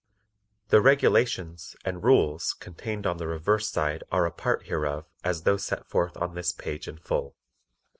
The REGULATIONS and RULES contained on the reverse side are a part hereof as though set forth on this page in full.